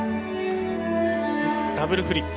ダブルフリップ。